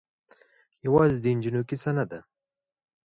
یوازې د دې نجونو کيسه نه ده.